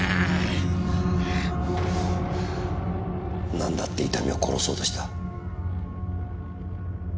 なんだって伊丹を殺そうとした？